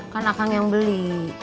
kan akang yang beli